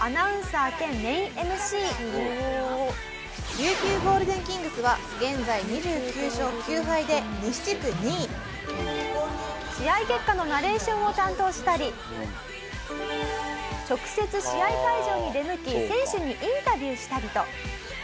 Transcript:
琉球ゴールデンキングスは現在２９勝９敗で西地区２位試合結果のナレーションを担当したり直接試合会場に出向き選手にインタビューしたりと。